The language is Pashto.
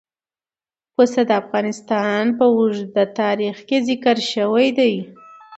پسه د افغانستان په اوږده تاریخ کې ذکر شوي دي.